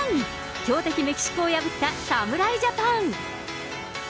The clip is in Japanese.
強敵メキシコを破った侍ジャパン。